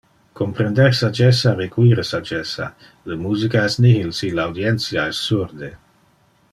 Comprender sagessa require sagessa: le musica es nihil si le audientia es surde.